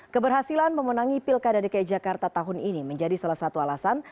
keberhasilan memenangi pilkada dki jakarta tahun ini menjadi salah satu alasan